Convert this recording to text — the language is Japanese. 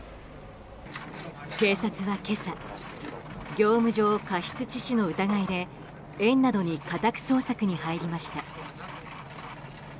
警察は今朝業務上過失致死の疑いで園などに家宅捜索に入りました。